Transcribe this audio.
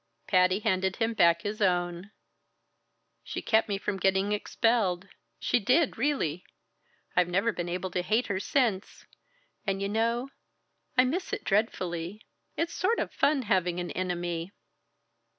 Patty handed him back his own. "She kept me from getting expelled she did, really. I've never been able to hate her since. And you know, I miss it dreadfully. It's sort of fun having an enemy."